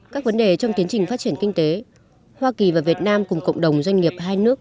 các vấn đề trong tiến trình phát triển kinh tế hoa kỳ và việt nam cùng cộng đồng doanh nghiệp hai nước